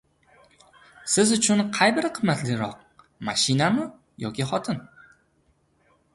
Siz uchun qay biri qimmatliroq, mashinami yoki xotin?